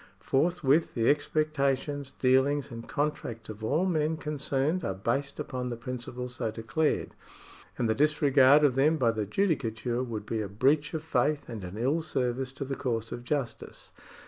Forth with the expectations, dealings, and contracts of all men concerned are based upon the principles so declared, and the disregard of them by the judicature would be a breach of faith and an ill service to the cause of justice.